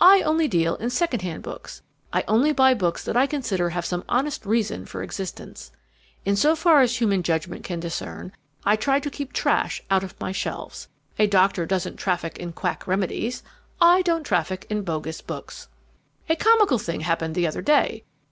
I only deal in second hand books; I only buy books that I consider have some honest reason for existence. In so far as human judgment can discern, I try to keep trash out of my shelves. A doctor doesn't traffic in quack remedies. I don't traffic in bogus books. "A comical thing happened the other day.